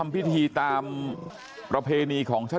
ชาวบ้านในพื้นที่บอกว่าปกติผู้ตายเขาก็อยู่กับสามีแล้วก็ลูกสองคนนะฮะ